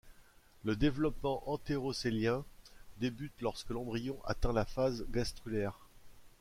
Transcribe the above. Le développement entérocœlien débute lorsque l'embryon atteint la phase gastrulaire.